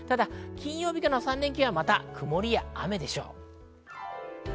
金曜日からの３連休はまた曇りや雨でしょう。